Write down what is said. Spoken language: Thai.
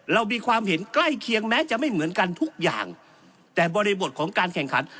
เรามีความเห็นใกล้เคียงแม้จะไม่เหมือนกันทุกอย่างแต่บริบทของการแข่งขัน